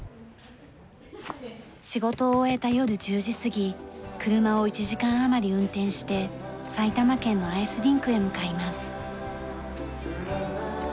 仕事を終えた夜１０時過ぎ車を１時間余り運転して埼玉県のアイスリンクへ向かいます。